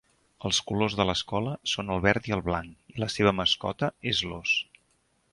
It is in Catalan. Els colors de l'escola són el verd i el blanc, i la seva mascota és l'ós.